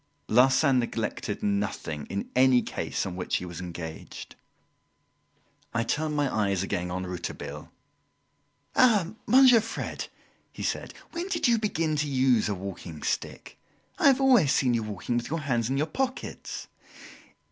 Larsan neglected nothing in any case on which he was engaged. I turned my eyes again on Rouletabille. "Ah, Monsieur Fred!" he said, "when did you begin to use a walking stick? I have always seen you walking with your hands in your pockets!"